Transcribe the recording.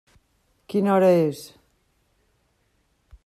Quina hora és?